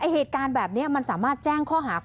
เหตุการณ์แบบนี้มันสามารถแจ้งข้อหา